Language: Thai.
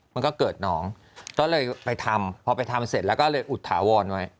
มันก็เกิดน้องก็เลยไปทำพอไปทำเสร็จแล้วก็เลยอุดถาวรไว้